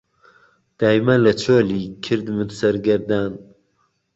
دایمه له چۆلی کردمت سهرگهردان